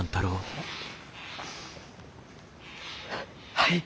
はい。